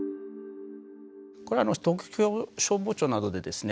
これは東京消防庁などでですね